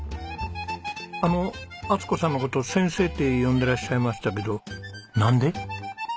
あの充子さんの事「先生」って呼んでらっしゃいましたけどなんで？